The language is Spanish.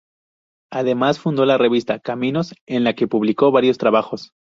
Además fundó la revista "Caminos", en la que publicó varios trabajos.